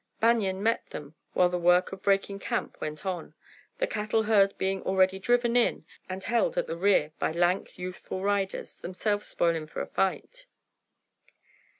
Banion met them while the work of breaking camp went on, the cattle herd being already driven in and held at the rear by lank, youthful riders, themselves sp'lin' fer a fight.